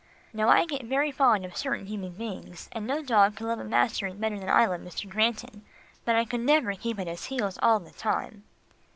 Now, I get very fond of certain human beings, and no dog could love a master better than I love Mr. Granton, but I never could keep at his heels all the time.